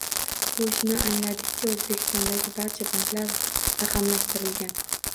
Bu shuni anglatadiki, O'zbekistondagi barcha banklar raqamlashtirilgan